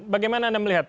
bagaimana anda melihat